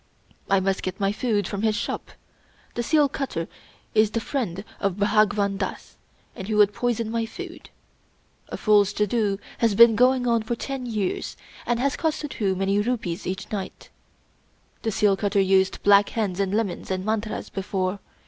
I must get my food from his shop. The seal cutter is the friend of Bhagwan Dass, and he would poison my 34 Rudyard Kipling food. A fool's jadoo has been going on for ten days, and has cost Suddhoo many rupees each night. The seal cutter used black hens and lemons and mantras before.